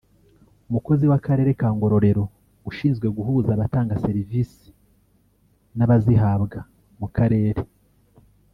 umukozi w’akarere ka Ngororero ushinzwe guhuza abatanga serivisi n’abazihabwa mu karere